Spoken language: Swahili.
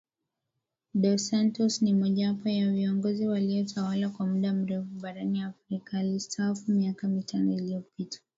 Dos Santos ni mojawapo wa viongozi waliotawala kwa mda mrefu barani Afrika alistaafu miaka mitano iliyopita